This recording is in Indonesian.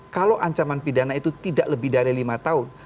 kalau ancaman pidana itu tidak lebih dari lima tahun